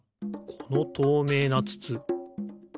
このとうめいなつつ。